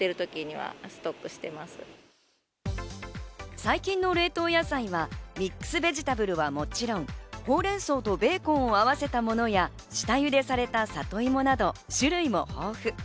最近の冷凍野菜は、ミックスベジタブルはもちろん、ほうれん草とベーコンを合わせたものや下ゆでされた里芋など種類も豊富。